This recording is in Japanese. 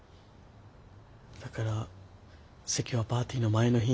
だから籍はパーティーの前の日に。